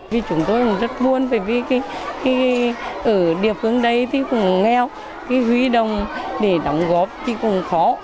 vì chúng tôi cũng rất buồn bởi vì ở địa phương đây thì cũng nghèo cái huy đồng để đóng góp thì cũng khó